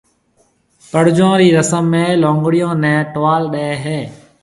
پڙجون رِي رسم ۾ لگنيون نيَ ٽوال ڏَي ھيََََ